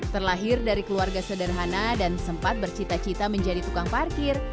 terlahir dari keluarga sederhana dan sempat bercita cita menjadi tukang parkir